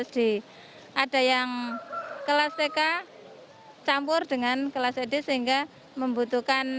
jadi ada yang kelas tk campur dengan kelas ksd